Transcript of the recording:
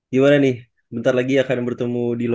gimana nih bentar lagi akan bertemu di lombo